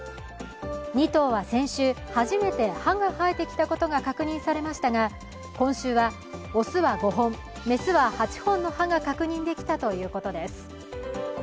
２頭は先週、初めて歯が生えてきたことが確認されましたが、今週は雄は５本、雌は８本の歯が確認できたということです。